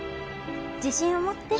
自信を持って。